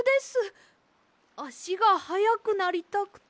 あしがはやくなりたくて。